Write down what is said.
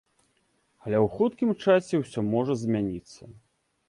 Але ў хуткім часе ўсё можа змяніцца.